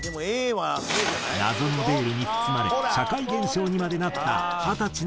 謎のベールに包まれ社会現象にまでなった二十歳の歌い手。